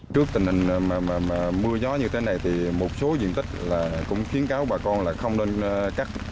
trước tình hình mưa gió như thế này thì một số diện tích cũng khiến cáo bà con là không nên cắt